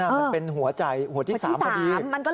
มันเป็นหัวใจหัวที่๓พอดี